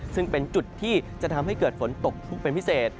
ซึ่งเป็นจุดที่จะทำให้เกิดฝนตกทุกข์เป็นพิเศษ